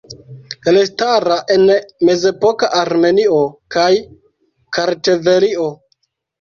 Elstara en mezepoka Armenio kaj Kartvelio.